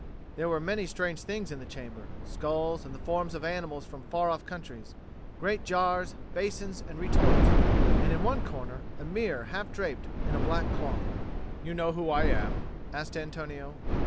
There were many strange things in the chamber, skulls and the forms of animals from far off countries, great jars, basins, and retorts, and in one corner a mirror half draped in a black cloth. "You know who I am?" asked Antonio.